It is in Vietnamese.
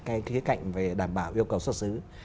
cái khía cạnh về đảm bảo yêu cầu xuất xứ